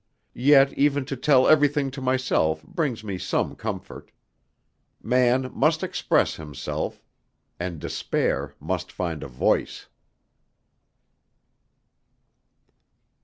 Yet even to tell everything to myself brings me some comfort. Man must express himself; and despair must find a voice.